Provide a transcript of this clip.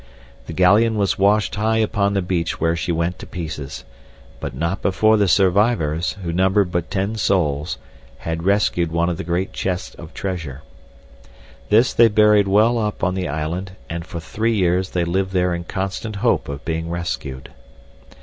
The galleon was washed high upon the beach where she went to pieces; but not before the survivors, who numbered but ten souls, had rescued one of the great chests of treasure. This they buried well up on the island, and for three years they lived there in constant hope of being rescued.